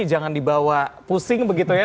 jangan dibawa pusing begitu ya